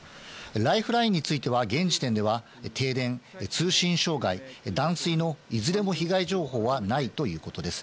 ライフラインについては現時点では停電、通信障害、断水のいずれも被害情報はないということです。